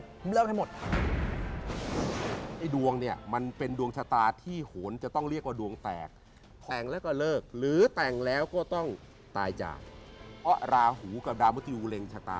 ทางด้านพี่จ๋าเขาว่าไงบ้าง